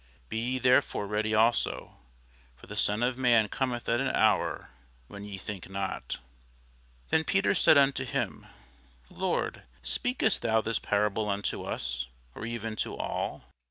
Be ye therefore ready also: for the Son of man cometh at an hour when ye think not. Then Peter said unto him, Lord, speakest thou this parable unto us, or even to all?